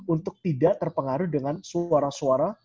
untuk tidak terpengaruh dengan suara suara